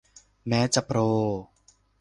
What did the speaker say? แม้จะโปร